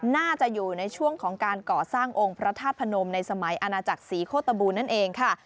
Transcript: น่าจะอยู่ในช่วงของการก่อสร้างองค์พระธาตุพนมในสมัยอาณาจักรศรีโฆตบูลนั่นเองค่ะ